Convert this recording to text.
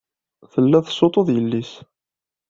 Tella tessuṭṭuḍ yelli-s.